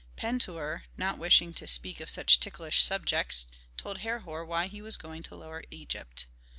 Pentuer, not wishing to speak of such ticklish subjects, told Herhor why he was going to Lower Egypt.